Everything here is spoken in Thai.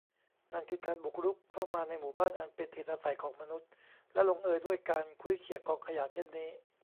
นั่นคือการบุกรุกเข้ามาในหมู่บ้านอันเป็นถิ่นอาศัยของมนุษย์ และลงเอยด้วยการคุ้ยเขี่ยกองขยะเช่นนี้